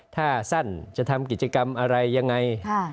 ถ้าสั้นจะทำกิจกรรมอะไรยังไง